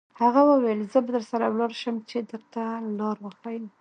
هغه وویل: زه به درسره ولاړ شم، چې درته لار وښیم.